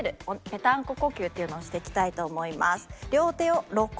ぺたんこ呼吸っていうのをしていきたいと思います。